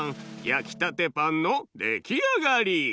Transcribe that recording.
やきたてパンのできあがり！